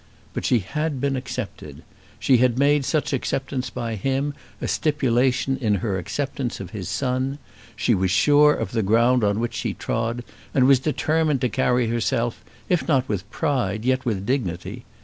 But she had been accepted. She had made such acceptance by him a stipulation in her acceptance of his son. She was sure of the ground on which she trod and was determined to carry herself, if not with pride, yet with dignity.